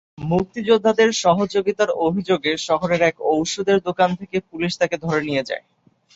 মুক্তিযোদ্ধাদের সহযোগিতার অভিযোগে শহরের এক ঔষধের দোকান থেকে পুলিশ তাঁকে ধরে নিয়ে যায়।